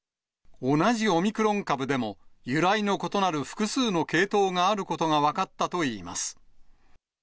同じオミクロン株でも、由来の異なる複数の系統があることが分かったといいます。